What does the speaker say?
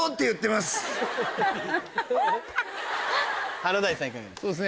華大さんいかがですか？